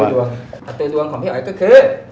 ประตูดวงของพี่อ๋อยก็คือ